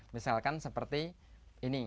misalkan seperti ini